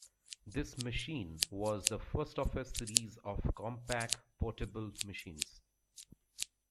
This machine was the first of a series of Compaq Portable machines.